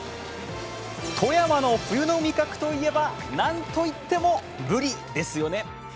富山の冬の味覚といえばなんといってもぶりですよね。